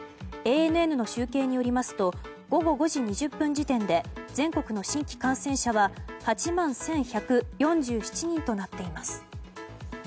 ＡＮＮの集計によりますと午後５時２０分時点で全国の新規感染者は８万１１４７人となっています。